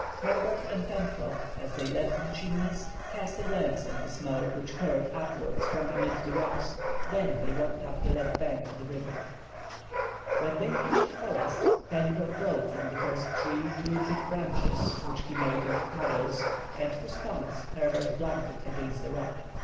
Herbert and Pencroff, as they left the Chimneys, cast a glance at the smoke which curled upwards from amid the rocks; then they walked up the left bank of the river. When they reached the forest, Pencroff broke from the first tree two thick branches which he made into cudgels, and whose points Herbert blunted against a rock.